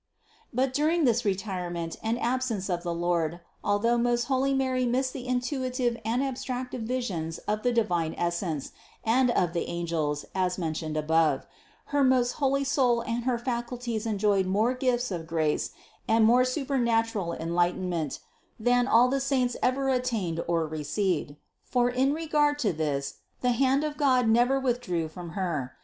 717. But during this retirement and absence of the Lord, although most holy Mary missed the intuitive and abstractive visions of the divine Essence and of the angels as mentioned above, her most holy soul and her faculties enjoyed more gifts of grace and more supernatural en lightenment, than all the saints ever attained or received. For in regard to this the hand of God never withdrew from Her.